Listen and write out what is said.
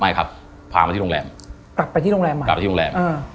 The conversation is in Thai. ไม่ขับพาไอ้ที่โรงแรม